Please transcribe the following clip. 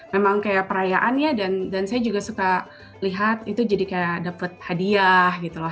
jadi itu kayak perayaannya dan saya juga suka lihat itu jadi kayak dapat hadiah gitu loh